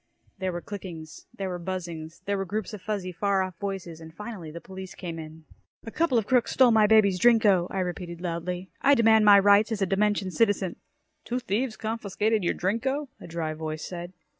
There were clickings, there were buzzings, there were groups of fuzzy, far off voices, and finally the police came in. "A couple of crooks stole my baby's Drinko!" I repeated loudly. "I demand my rights as a dimension citizen!" "Two thieves confiscated your Drinko," a dry voice said.